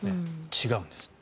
違うんです。